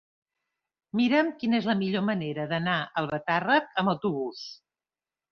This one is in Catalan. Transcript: Mira'm quina és la millor manera d'anar a Albatàrrec amb autobús.